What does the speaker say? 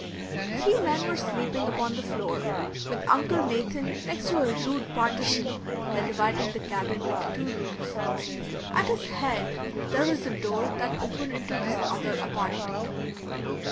The three men were sleeping upon the floor, with Uncle Nathan next to a rude partition that divided the cabin into two rooms. At his head there was a door that opened into this other apartment.